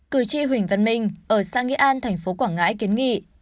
cử tri huỳnh văn minh ở xã nghĩa an tp quảng ngãi kiến nghị